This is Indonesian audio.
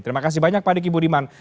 terima kasih banyak pak diki budiman